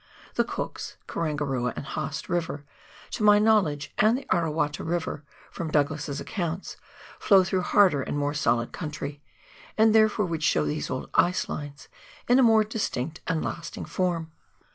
The Cook's, Karangarua and Haast River, to my knowledge, and the Arawata River from Douglas's accounts, flow through harder and more solid country, and therefore would show these old ice lines in a more distinct and lasting form.